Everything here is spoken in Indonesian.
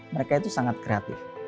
mereka itu sangat kreatif